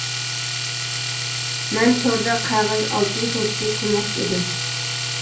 مەن توردا قەغەز ئالتۇن سودىسى قىلماقچى ئىدىم.